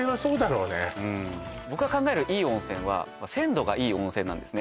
うん僕が考えるいい温泉は鮮度がいい温泉なんですね